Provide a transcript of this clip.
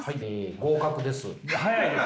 合格です。